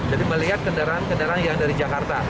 jadi melihat kendaraan kendaraan yang dari jakarta